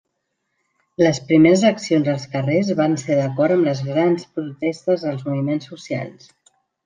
Les primeres accions als carrers van ser d'acord amb les grans protestes dels moviments socials.